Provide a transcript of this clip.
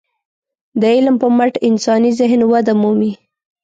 د علم په مټ انساني ذهن وده مومي.